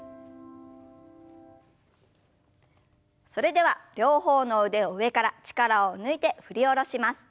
それでは両方の腕を上から力を抜いて振り下ろします。